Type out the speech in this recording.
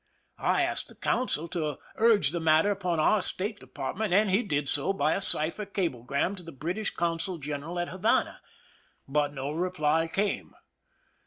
I asked the consul to urge the matter upon our State Department, and he did so by a cipher cablegram to the British consul general at Havana ; but no reply came.